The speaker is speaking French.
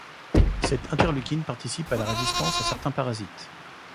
Cette interleukine participe à la résistance à certains parasites.